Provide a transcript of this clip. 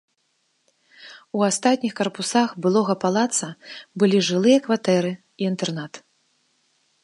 У астатніх карпусах былога палаца былі жылыя кватэры і інтэрнат.